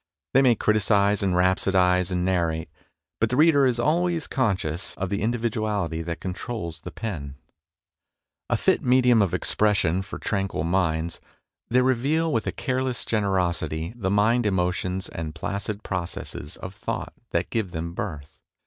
They may criticize and rhapsodize and narrate, but the reader is always conscious of the individuality that controls the pen. THE DECAY OF THE ESSAY 11 A fit medium of expression for tranquil minds, they reveal with a careless generosity the mind emotions and placid processes of thought that give them birth.